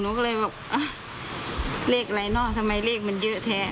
หนูก็เลยบอกอ่ะเลขอะไรเนอะทำไมเลขมันเยอะแท้